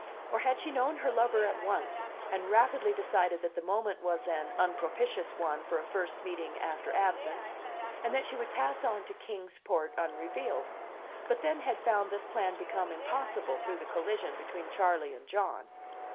Or had she known her lover at once, and rapidly decided that the moment was an unpropitious one for a first meeting after absence, and that she would pass on to Kings Port unrevealed, but then had found this plan become impossible through the collision between Charley and John?